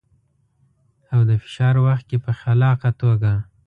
او د فشار وخت کې په خلاقه توګه.